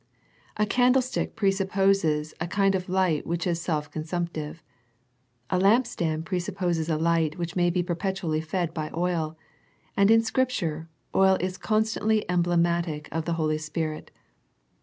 A candle stick presupposes a kind of light which is self consumptive, (a lampstand presupposes a light which may be perpetually fed by oil, and in Scripture, oil is constantly emblematic of the Holy Spirit.